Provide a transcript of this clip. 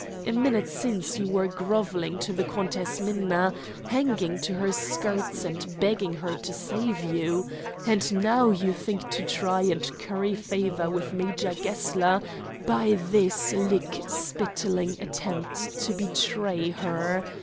A minute since you were grovelling to the Countess Minna, hanging to her skirts, and begging her to save you; and now you think to try and curry favor with Major Gessler by this lick spittling attempt to betray her.